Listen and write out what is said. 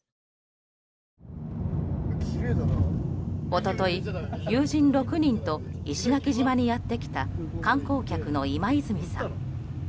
一昨日、友人６人と石垣島にやってきた観光客の今泉さん。